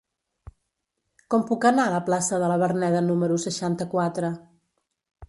Com puc anar a la plaça de la Verneda número seixanta-quatre?